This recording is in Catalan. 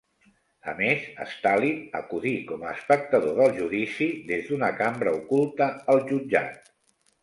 A més, Stalin acudí com a espectador del judici des d'una cambra oculta al jutjat.